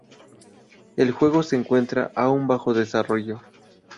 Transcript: El juego se encuentra aún bajo desarrollo.